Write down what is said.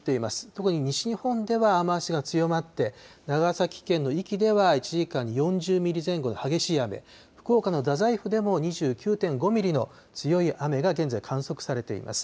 特に西日本では雨足が強まって、長崎県の壱岐では１時間に４０ミリ前後の激しい雨、福岡の太宰府でも２９．５ミリの強い雨が現在観測されています。